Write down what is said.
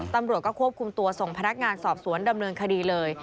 ตำรวจก็ควบคุมตัวส่งพนักงานสอบสวนดำเนินคดีเลย